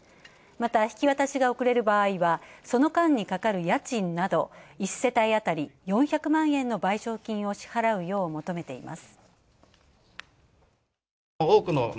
また、引き渡しが遅れる場合はその間にかかる家賃など１世帯あたり４００万円の賠償金を支払うよう求めています。